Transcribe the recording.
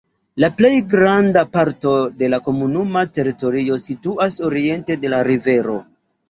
La plej granda parto de la komunuma teritorio situas oriente de la rivero.